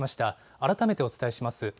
改めてお伝えします。